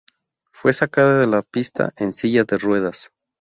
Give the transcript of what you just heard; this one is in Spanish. Fue sacada de la pista en silla de ruedas.